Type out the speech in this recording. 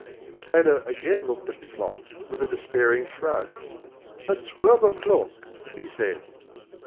The tailor again looked at the clock with a despairing shrug. "At twelve o'clock," he said.